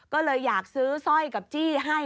ก็เลยอยากซื้อสร้อยกับจี้ให้